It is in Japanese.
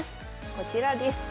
こちらです。